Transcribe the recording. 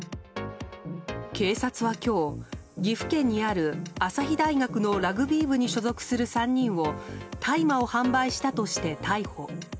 警察は今日、岐阜県にある朝日大学のラグビー部に所属する３人を大麻を販売したとして逮捕。